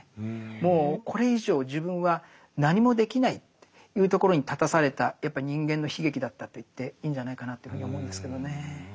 もうこれ以上自分は何もできないというところに立たされたやっぱり人間の悲劇だったと言っていいんじゃないかなというふうに思うんですけどね。